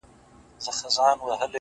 دغه د اور ځنځير ناځوانه ځنځير،